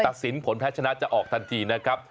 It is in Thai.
สินผลแพ้ชนะจะออกทันทีนะครับ